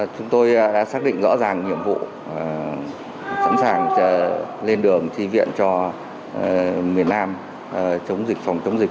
chúng tôi đã xác định rõ ràng nhiệm vụ sẵn sàng lên đường tri viện cho miền nam chống dịch phòng chống dịch